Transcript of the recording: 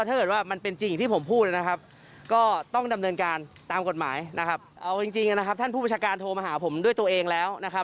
เอาจริงนะครับท่านผู้ประชาการโทรมาหาผมด้วยตัวเองแล้วนะครับ